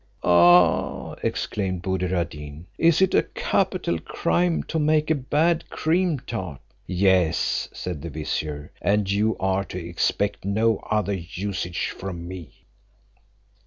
"Ah!" exclaimed Buddir ad Deen, "is it a capital crime to make a bad cream tart?" "Yes," said the vizier "and you are to expect no other usage from me."